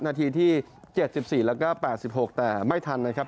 นาทีที่๗๔แล้วก็๘๖แต่ไม่ทันนะครับ